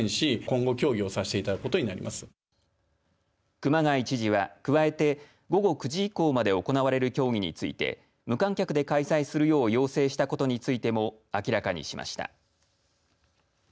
熊谷知事は加えて午後９時以降まで行われる競技について無観客で開催するよう要請したことについても明らかにしました。